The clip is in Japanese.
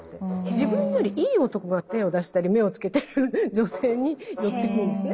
自分よりいい男が手を出したり目をつけてる女性に寄ってくんですね。